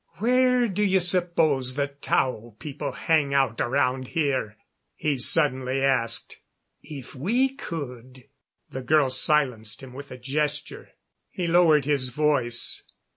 "Where do you suppose the Tao people hang out around here?" he suddenly asked. "If we could " The girl silenced him with a gesture. He lowered his voice.